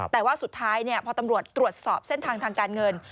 แต่ว่าสุดท้ายพอตำรวจตรวจสอบเส้นทางทางการเงิน